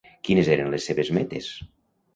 Quines eren les seves metes?